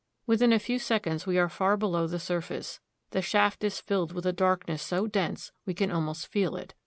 Within a few seconds we are far below the surface. The shaft is filled with a darkness so dense we can almost feel it.